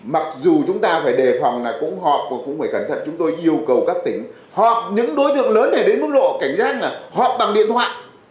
mặc dù chúng ta phải đề phòng là cũng họp và cũng phải cẩn thận chúng tôi yêu cầu các tỉnh họp những đối tượng lớn này đến mức độ cảnh giác là họp bằng điện thoại